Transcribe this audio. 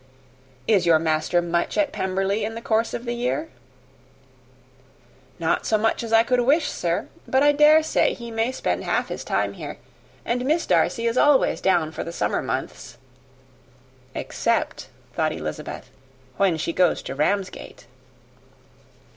"Is your master much at Pemberley in the course of the year?" "Not so much as I could wish, sir: but I dare say he may spend half his time here; and Miss Darcy is always down for the summer months." "Except," thought Elizabeth, "when she goes to Ramsgate."